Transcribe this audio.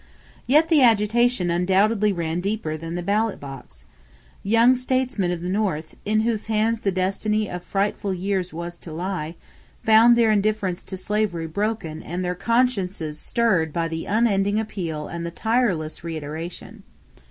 Yet the agitation undoubtedly ran deeper than the ballot box. Young statesmen of the North, in whose hands the destiny of frightful years was to lie, found their indifference to slavery broken and their consciences stirred by the unending appeal and the tireless reiteration.